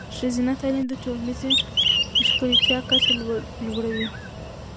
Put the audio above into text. ښځینه تعلیم د ټولنیزې ښکیلتیا کچه لوړوي.